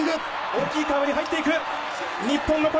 「大きいカーブに入っていく日本の小平」